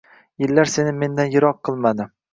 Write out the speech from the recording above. Yillar seni mendan yiroq qilmadi